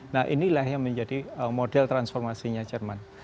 nah inilah yang menjadi model transformasinya jerman